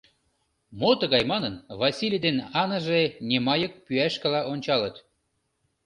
Мо тыгай манын, Васлий ден Анаже Немайык пӱяшкыла ончалыт.